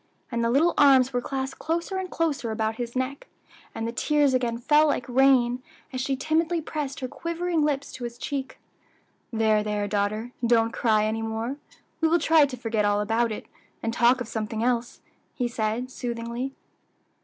and the little arms were clasped closer and closer about his neck, and the tears again fell like rain, as she timidly pressed her quivering lips to his cheek. "There, there daughter! don't cry any more; we will try to forget all about it, and talk of something else," he said soothingly.